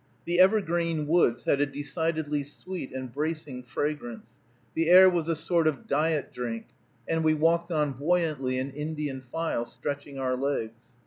The evergreen woods had a decidedly sweet and bracing fragrance; the air was a sort of diet drink, and we walked on buoyantly in Indian file, stretching our legs.